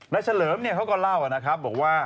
และเฉลิมเขาก็เล่าว่า